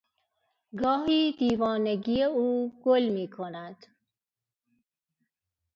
گاهی دیوانگی او گل میکند.